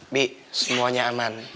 bi semuanya aman